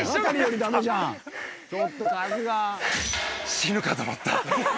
死ぬかと思った。